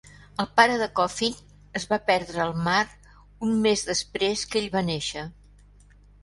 El pare de Coffin es va perdre al mar un mes després que ell va néixer.